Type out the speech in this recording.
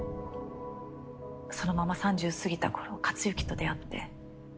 そのまま３０過ぎた頃克行と出会って。